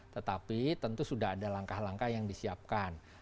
tetapi tentu sudah ada langkah langkah yang disiapkan